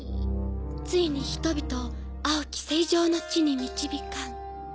「ついに人々を青き清浄の地に導かん」。